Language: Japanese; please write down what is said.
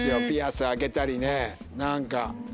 ピアス開けたりね何か。